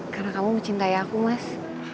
karena kamu mencintai aku mas